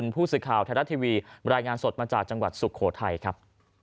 ผู้สื่อข่าวแถวนี้บรรยายงานสดมาจากจังหวัดสุโขทัยครับ